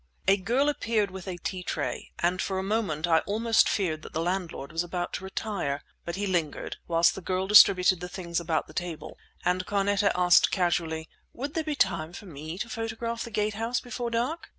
A girl appeared with a tea tray, and for a moment I almost feared that the landlord was about to retire; but he lingered, whilst the girl distributed the things about the table, and Carneta asked casually, "Would there be time for me to photograph the Gate House before dark?"